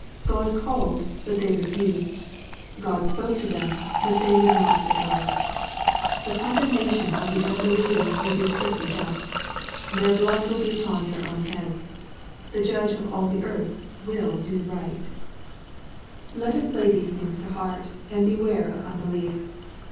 God called, but they refused. God spoke to them, but they would not regard. The a^ndemnation of the unbelieving will be strictly just. Their blood will be upon their own hoads« The Judge of all the earth will do right. iiUEE, CHAP. X. 355 Let us lay these things to heart, and beware of un belief.